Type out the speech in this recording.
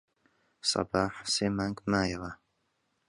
سەباح سێ مانگ مایەوە.